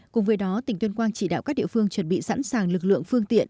cùng với đó tỉnh tuyên quang chỉ đạo các địa phương chuẩn bị sẵn sàng lực lượng phương tiện